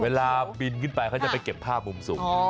เวลาบินขึ้นไปเขาจะไปเก็บภาพมุมสูง